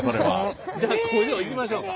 じゃあ工場行きましょうか。